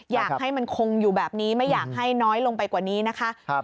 อยากให้มันคงอยู่แบบนี้ไม่อยากให้น้อยลงไปกว่านี้นะคะ